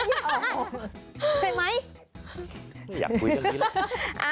กลับอยากคุยแบบนี้ล่ะ